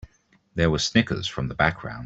There were snickers from the background.